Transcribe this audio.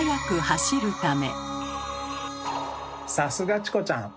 さすがチコちゃん！